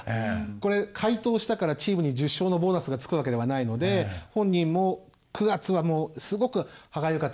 これ快投したからチームに１０勝のボーナスがつくわけではないので本人も９月はすごく歯がゆかったと思います。